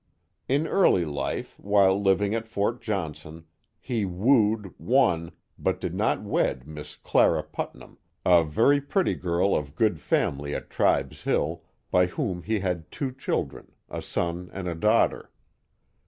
In early life, while living at Fort Johnson, he wooed, won, but did not wed Miss Clara Putnam, a very pretty girl of good 1 1 8 The Mohawk Valley family at Tribes Hill, by whom he had two children, a son and a daughter.